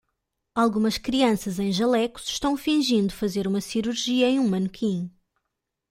Algumas crianças em jalecos estão fingindo fazer uma cirurgia em um manequim.